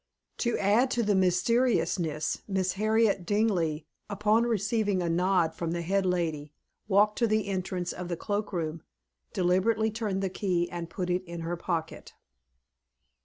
To add to the mysteriousness, Miss Harriet Dingley, upon receiving a nod from the head lady, walked to the entrance of the cloakroom, deliberately turned the key and put it in her pocket.